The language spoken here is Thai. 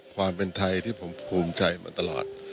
ความเป็นไทยที่ผมภูมิใจมาตลอด